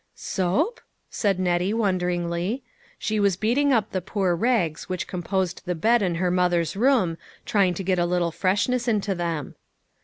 " Soap?" said Nettie, wonderingly. She was NEW FKIEND8. 69 beating up the poor rags which composed the bed in her mother's room, trying to get a little freshness into them.